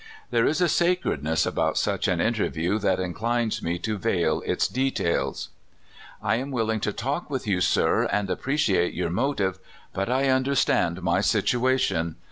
There is a sacredness about such an interview that inclines me to veil its details. " I am willing to talk with you, sir, and appre ciate your motive, but I understand my situation.